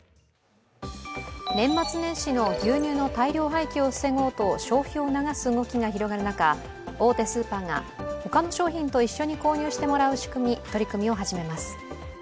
年末年始の牛乳の大量廃棄を防ごうと消費を促す動きが広がる中、大手スーパーが他の商品と一緒に購入してもらう仕組み、取り組みを始めます。